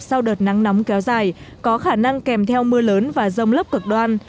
sau đợt nắng nóng kéo dài có khả năng kèm theo mưa lớn và rông lấp cực đoan